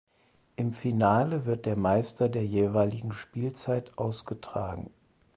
Im Finale wird der Meister der jeweiligen Spielzeit ausgetragen.